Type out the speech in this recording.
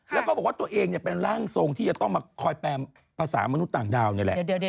แล้วก็บอกว่าตัวเองเป็นร่างทรงที่จะต้องมาคอยแปลภาษามนุษย์ต่างดาวนี่แหละ